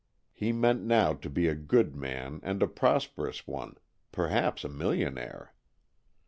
He meant, now, to be a good man, and a prosperous one perhaps a millionaire.